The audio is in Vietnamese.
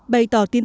bày tỏ tin tưởng